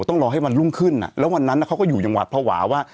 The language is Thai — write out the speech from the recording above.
ต้องรอให้วันรุ่งขึ้นแล้ววันนั้นเขาก็อยู่อย่างหวัดภาวะว่า